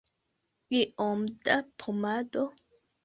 Iom da pomado?